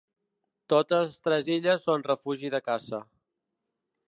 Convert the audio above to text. Totes tres illes són refugi de caça.